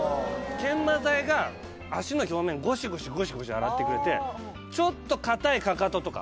研磨剤が足の表面ゴシゴシゴシゴシ洗ってくれてちょっと硬いかかととか。